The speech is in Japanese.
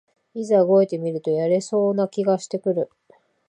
いざ動いてみるとやれそうな気がしてくる